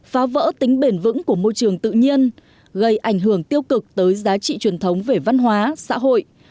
phá vỡ tính bền vững của môi trường tự nhiên gây ảnh hưởng tiêu cực tới giá trị truyền thống về văn hóa xã hội